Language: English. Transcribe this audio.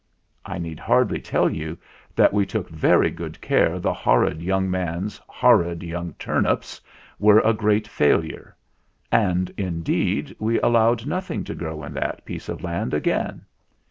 I need hardly tell you that we took very good care the horrid young man's horrid young turnips were a great failure; and, indeed, we allowed nothing to grow on that piece of land again.